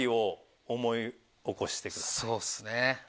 そうっすね。